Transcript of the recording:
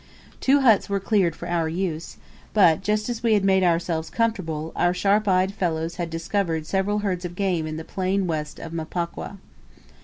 Two huts were cleared for our use, but, just as we had made ourselves comfortable, our sharp eyed fellows had discovered several herds of game in the plain west of Mpokwa.